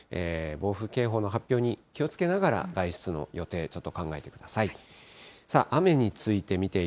暴風警報に発表に気をつけながら、外出の予定、ちょっと考えてください。